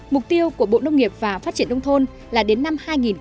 mục tiêu của bộ nông nghiệp và phát triển nông thôn là đến năm hai nghìn ba mươi